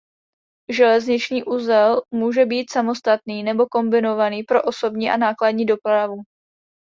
Železniční uzel může být samostatný nebo kombinovaný pro osobní a nákladní dopravu.